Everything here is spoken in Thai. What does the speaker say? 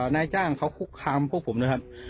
นายจ้างเขาคุกคามพวกผมนะครับ